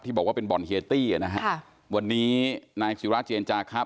ที่บอกว่าเป็นบ่อนเฮตตี้นะฮะวันนี้นายศรีวราชเจียรจาครับ